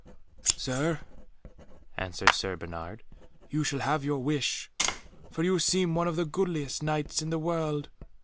"Sir," answered Sir Bernard, "you shall have your wish, for you seem one of the goodliest Knights in the world.